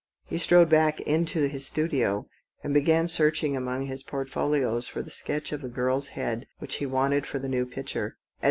199 He strode back into his studio, and began searching among his portfolios for the sketch of a girl's head which he wanted for the new picture.